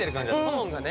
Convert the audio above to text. トーンがね。